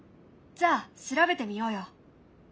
じゃあ調べてみようよ。